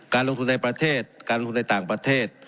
ลงทุนในประเทศการลงทุนในต่างประเทศ